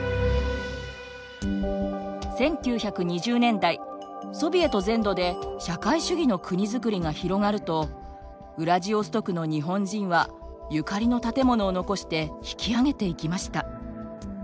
１９２０年代ソビエト全土で社会主義の国づくりが広がるとウラジオストクの日本人はゆかりの建物を残して引き揚げていきました。